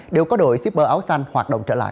đều có đội shipper áo xanh hoạt động trở lại